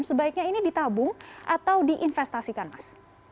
sebaiknya ini ditabung atau diinvestasikan mas